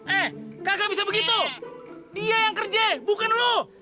eh kakak bisa begitu dia yang kerja bukan lo